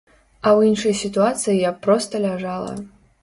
А ў іншай сітуацыі я б проста ляжала.